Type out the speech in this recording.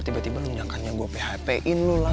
tiba tiba lunjangkannya gue phpin lu lah